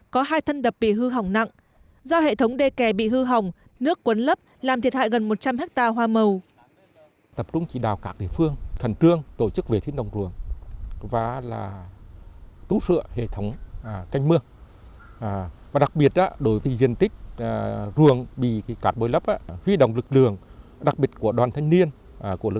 có hai thân đập bị hư hỏng nặng do hệ thống đê kè bị hư hỏng nước cuốn lấp làm thiệt hại gần một trăm linh ha hoa màu